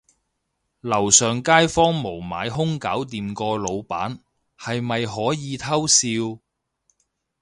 樓上街坊無買兇搞掂個老闆，係咪可以偷笑